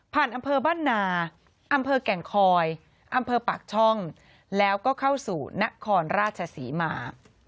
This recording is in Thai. อำเภอบ้านนาอำเภอแก่งคอยอำเภอปากช่องแล้วก็เข้าสู่นครราชศรีมา